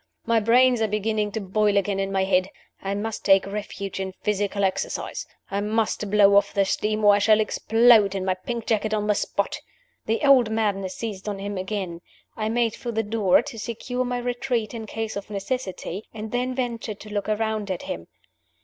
"My brains are beginning to boil again in my head. I must take refuge in physical exercise. I must blow off the steam, or I shall explode in my pink jacket on the spot!" The old madness seized on him again. I made for the door, to secure my retreat in case of necessity and then ventured to look around at him.